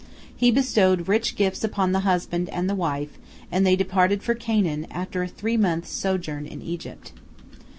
He bestowed rich gifts upon the husband and the wife, and they departed for Canaan, after a three months' sojourn in Egypt.